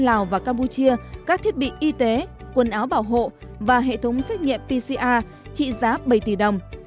lào và campuchia các thiết bị y tế quần áo bảo hộ và hệ thống xét nghiệm pcr trị giá bảy tỷ đồng